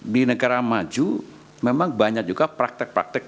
di negara maju memang banyak juga praktek praktek